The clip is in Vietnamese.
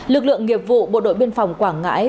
lực lượng nghiệp vụ bộ đội biên phòng quảng ngãi